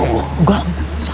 alhamdulillah baik paman